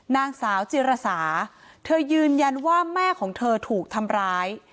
นางสาวจิรสาเธอยืนยันว่าแม่ของเธอถูกทำร้าย